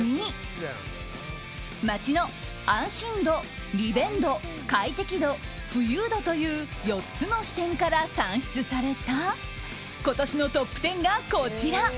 街の安心度、利便度快適度、富裕度という４つの視点から算出された今年のトップ１０がこちら。